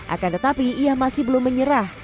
akan tetapi ia masih belum menyerah